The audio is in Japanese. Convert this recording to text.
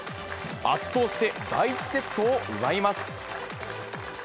圧倒して第１セットを奪います。